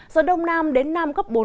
do đông nam đến nam cấp bốn km